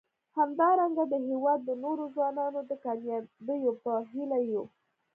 همدارنګه د هیواد د نورو ځوانانو د کامیابیو په هیله یو.